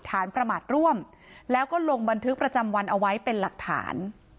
ประมาทร่วมแล้วก็ลงบันทึกประจำวันเอาไว้เป็นหลักฐาน